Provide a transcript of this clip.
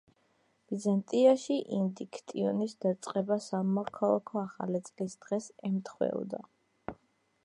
ბიზანტიაში ინდიქტიონის დაწყება სამოქალაქო ახალი წლის დღეს ემთხვეოდა.